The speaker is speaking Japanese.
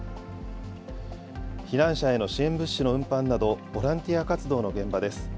避難者への支援物資の運搬など、ボランティア活動の現場です。